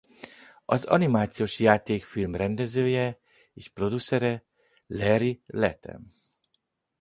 Az animációs játékfilm rendezője és producere Larry Latham.